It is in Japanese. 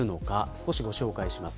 少しご紹介します。